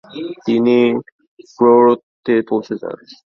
তিনি প্রৌঢ়ত্ত্বে পৌঁছে যান।